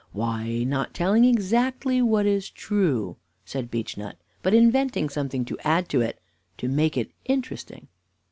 "Why, not telling exactly what is true," said Beechnut, "but inventing something to add to it, to make it interesting."